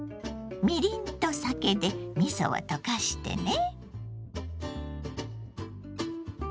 みりんと酒でみそを溶かしてね。